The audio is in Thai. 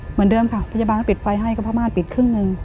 เหมือนเดิมค่ะพยาบาลก็ปิดไฟให้ก็พม่านปิดครึ่งหนึ่ง